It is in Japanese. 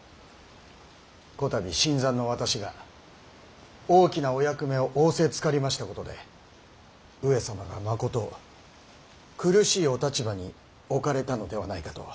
こたび新参の私が大きなお役目を仰せつかりましたことで上様がまこと苦しいお立場に置かれたのではないかと。